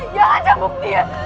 jangan cambuk dia